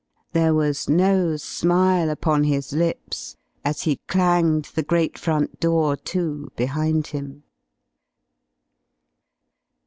There was no smile upon his lips as he clanged the great front door to behind him.